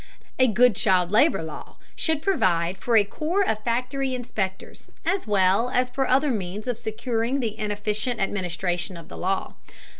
A good child labor law should provide for a corps of factory inspectors, as well as for other means of securing the efficient administration of the law.